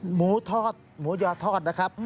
หมูทอดหมูยอทอดนะครับ